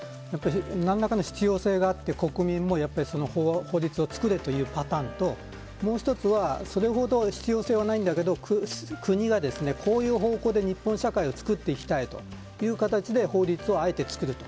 何らかの必要性があって国民も法律を作れというパターンともう１つは必要性は、それほどないけども国がこういう方向で日本社会を作っていきたいという形で法律をあえて作る。